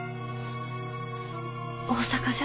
大阪じゃ。